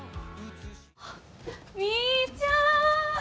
あっみーちゃん！